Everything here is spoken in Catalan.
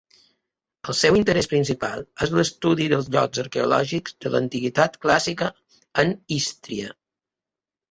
El seu interès principal és l'estudi dels llocs arqueològics de l'antiguitat clàssica en Ístria.